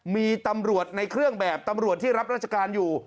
มีตำรวจในเครื่องแบบตำรวจที่รับราชการอยู่